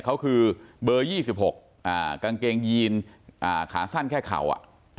เขาคือเบอร์ยี่สิบหกอ่ากางเกงยีนอ่าขาสั้นแค่เขาอ่ะ